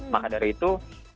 maka dari itu